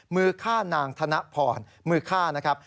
มือฆ่านางธนพรมือฆ่านะครับ